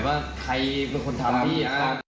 ว่าใครเป็นคนทำพี่